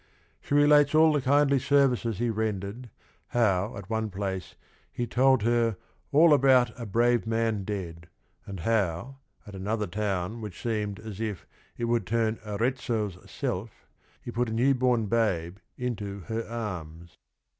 She relates all the kindly services he rendered, how at one place he told her " all about a brave man dead," and how, at another town which seemed as if it "would turn Arezzo's self," he put a new born babe into her arms.